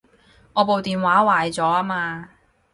我部電話壞咗吖嘛